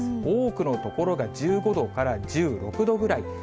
多くの所が１５度から１６度ぐらい。